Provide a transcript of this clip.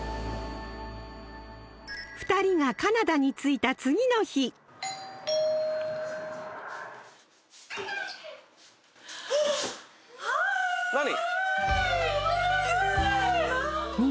２人がカナダに着いた次の日Ｈｉ！Ｈｉ！